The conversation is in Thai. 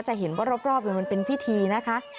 จะเห็นว่ารอบมันเป็นพิธีนะคะ